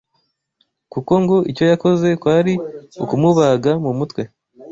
kuko ngo icyo yakoze kwari ukumubaga mu mutwe